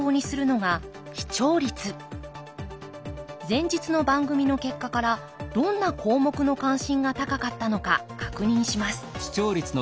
前日の番組の結果からどんな項目の関心が高かったのか確認します。